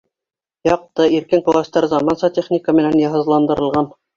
Яҡты, иркен кластар заманса техника менән йыһазландырылған.